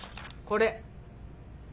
これ。